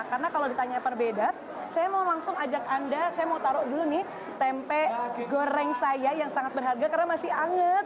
karena kalau ditanya perbeda saya mau langsung ajak anda saya mau taruh dulu nih tempe goreng saya yang sangat berharga karena masih anget